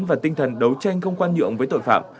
và tinh thần đấu tranh không khoan nhượng với tội phạm